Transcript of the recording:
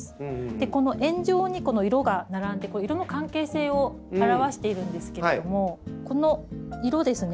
この円状に色が並んで色の関係性を表しているんですけどもこの色ですね。